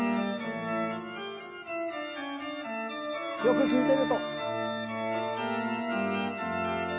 よく聴いてると。